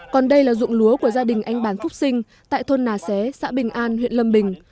còn đây là dụng lúa của gia đình anh bán phúc sinh tại thôn nà xé xã bình an huyện lâm bình